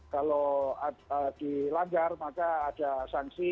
kalau dilanggar maka ada sanksi